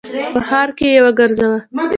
په ښار کي یې وګرځوه !